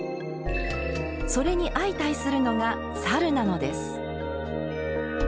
それに相対するのがさるなのです。